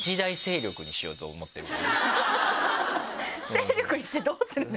勢力にしてどうするんですか？